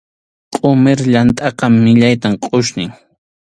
Qʼumir yamtʼaqa millaytam qʼusñin.